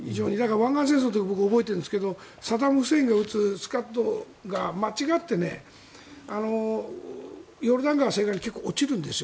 湾岸戦争の時僕、覚えてるんですがサダム・フセインが撃つスカッドが間違ってヨルダン川西岸に結構落ちるんですよ。